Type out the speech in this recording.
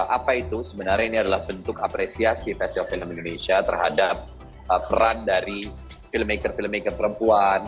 apa itu sebenarnya ini adalah bentuk apresiasi facial film indonesia terhadap peran dari filmmaker filmmaker perempuan